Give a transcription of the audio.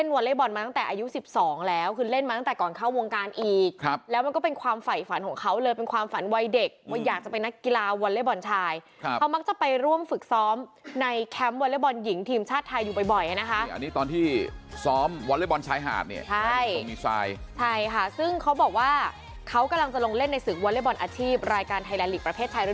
บอกว่าเขาเล่นวอเลเบิร์นมาตั้งแต่อายุ๑๒แล้วคือเล่นมาตั้งแต่ก่อนเข้าวงการอีกครับแล้วมันก็เป็นความฝ่ายฝันของเขาเลยเป็นความฝันวัยเด็กว่าอยากจะไปนักกีฬาวอเลเบิร์นชายเขามักจะไปร่วมฝึกซ้อมในแคมป์วอเลเบิร์นหญิงทีมชาติไทยอยู่บ่อยนะฮะอันนี้ตอนที่ซ้อมวอเลเบิร์นชายหาดเนี่ยใช่